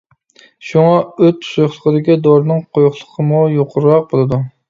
شۇڭا، ئۆت سۇيۇقلۇقىدىكى دورىنىڭ قويۇقلۇقىمۇ يۇقىرىراق بولىدۇ.